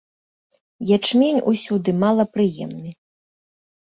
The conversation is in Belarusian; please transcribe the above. Ячмень усюды мала прыемны.